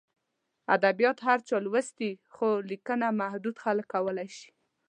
ادبیات هر چا لوستي، خو لیکنه محدود خلک کولای شي.